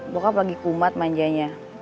bokap lagi kumat manjanya